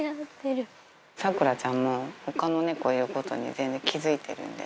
サクラちゃんも、ほかの猫いることに、全然気づいてるんで。